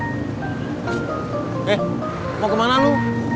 tukang kompa yang lu susulin gak nemu